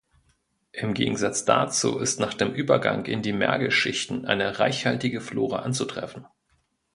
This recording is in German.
Im Gegensatz dazu ist nach dem Übergang in die Mergelschichten eine reichhaltige Flora anzutreffen.